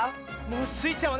スイちゃんはね